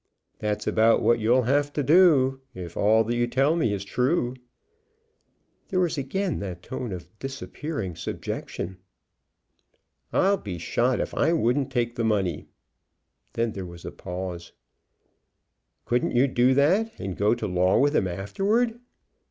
"That's about what you'll have to do if all that you tell me is true." There was again that tone of disappearing subjection. "I'll be shot if I wouldn't take the money." Then there was a pause. "Couldn't you do that and go to law with him afterward?